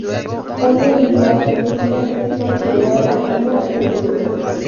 Hoy en día, en China es considerada una heroína.